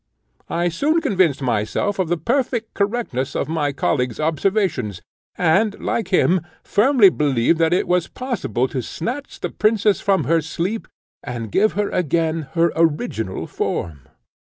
I soon convinced myself of the perfect correctness of my colleague's observations; and, like him, firmly believed that it was possible to snatch the princess from her sleep, and give her again her original form.